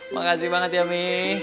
makasih banget ya mami